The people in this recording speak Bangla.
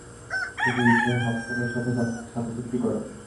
তিনি ইবনে হাফসুনের সাথে শান্তিচুক্তি করেন।